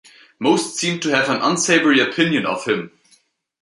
Most seemed to have an unsavoury opinion of him.